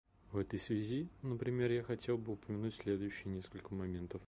В этой связи, например, я хотел бы упомянуть следующие несколько моментов.